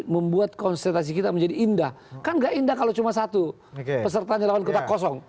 membuat konsentrasi kita menjadi indah kan gak indah kalau cuma satu pesertanya lawan kita kosong